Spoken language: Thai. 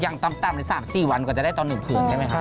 อย่างต่ำนี่๓๔วันกว่าจะได้ตอน๑ผืนใช่ไหมคะ